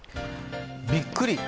びっくり。